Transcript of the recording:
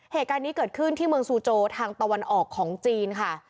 เหตุการณ์นี้เกิดขึ้นที่เมืองซูโจทางตะวันออกของจีนค่ะ